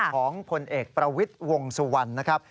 ผลเอกประวิทย์วงสุวรรณนะครับ